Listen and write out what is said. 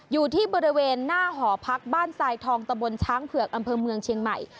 อยู่ที่บริเวณหน้าหอพักบ้านทรายทองตะบนช้างเผือกอำเภอเมืองเชียงใหม่